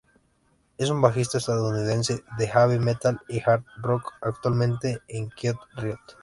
Es un bajista estadounidense de heavy metal y hard rock, actualmente en Quiet Riot.